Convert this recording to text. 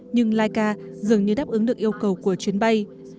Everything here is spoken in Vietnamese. nhưng laika dường như đáp ứng được yêu cầu của chuyến bay